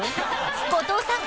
［後藤さん。